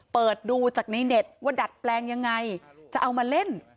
เปิดดูจากในเน็ตว่าดัดแปลงยังไงจะเอามาเล่น